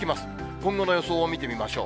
今後の予想を見てみましょう。